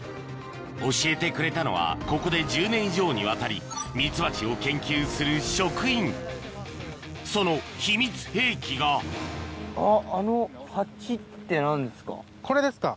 教えてくれたのはここで１０年以上にわたりミツバチを研究する職員その秘密兵器がこれですか？